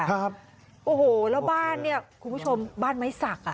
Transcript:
ครับโอ้โหแล้วบ้านเนี่ยคุณผู้ชมบ้านไม้สักอ่ะ